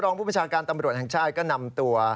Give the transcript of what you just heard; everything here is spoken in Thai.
ผู้ประชาการตำรวจแห่งชาติก็นำตัว